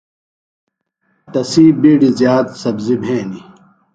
تسی بِیڈیۡ زیات سبزیۡ بِھینیۡ۔